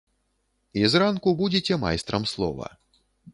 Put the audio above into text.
І зранку будзеце майстрам слова.